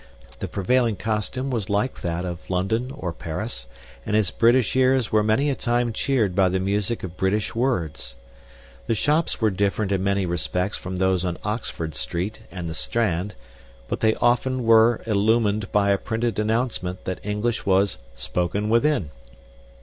The prevailing costume was like that of London or Paris, and his British ears were many a time cheered by the music of British words. The shops were different in many respects from those on Oxford Street and the Strand, but they often were illumined by a printed announcement that English was "spoken within."